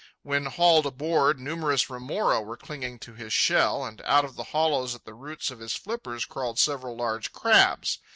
When hauled aboard, numerous remora were clinging to his shell, and out of the hollows at the roots of his flippers crawled several large crabs.